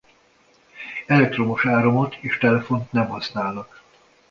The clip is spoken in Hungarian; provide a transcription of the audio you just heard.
Elektromos áramot és telefont nem használnak.